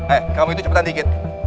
eh kamu itu cepetan dikit